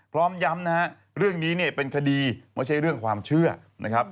พร้อมย้ำนะฮะเรื่องนี้เนี่ยเป็นคดีไม่ใช่เรื่องความเชื่อนะครับ